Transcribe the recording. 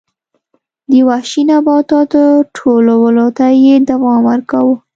د وحشي نباتاتو ټولولو ته یې دوام ورکاوه